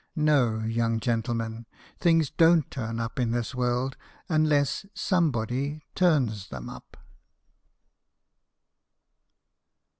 No, young gentlemen ; things don't turn up in this world unless somebody turns them up."